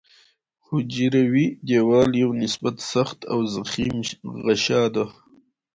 حجروي دیوال یو نسبت سخت او ضخیم غشا ده.